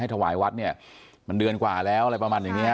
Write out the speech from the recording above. ถวายวัดเนี่ยมันเดือนกว่าแล้วอะไรประมาณอย่างเนี้ย